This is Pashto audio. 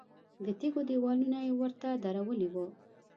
د تیږو دیوالونه یې ورته درولي وو.